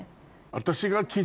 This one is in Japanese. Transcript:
私が。